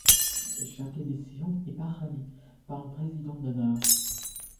Chaque édition est parrainée par un Président d'honneur.